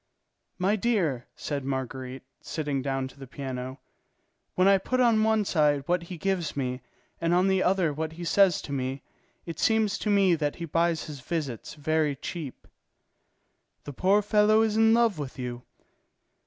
"My dear," said Marguerite, sitting down to the piano, "when I put on one side what he gives me and on the other what he says to me, it seems to me that he buys his visits very cheap." "The poor fellow is in love with you."